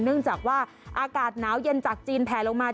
เนื่องจากว่าอากาศหนาวเย็นจากจีนแผลลงมา